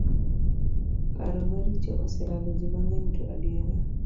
Paro maricho oselalo ji mang'eny to adiera.